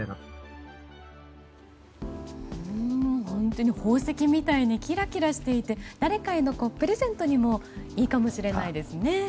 本当に宝石みたいにキラキラしていて誰かへのプレゼントにもいいかもしれないですね。